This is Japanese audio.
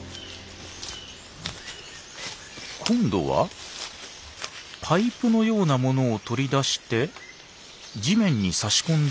今度はパイプのようなものを取り出して地面に差し込んで穴を開けました。